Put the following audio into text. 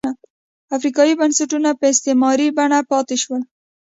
افریقايي بنسټونه په استثماري بڼه پاتې شول.